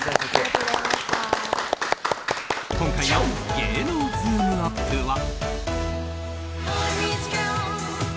今回の芸能ズームＵＰ！は。